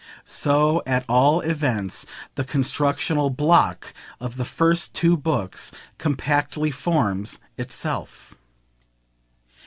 So, at all events, the constructional "block" of the first two Books compactly forms itself.